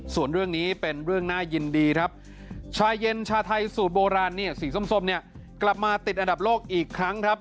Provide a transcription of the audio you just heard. ส่วนเรื่องนี้เป็นเรื่องน่ายินดีครับชาเย็นชาไทยสูตรโบราณเนี่ยสีส้มเนี่ยกลับมาติดอันดับโลกอีกครั้งครับ